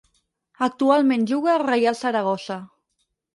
Actualment juga al Reial Saragossa.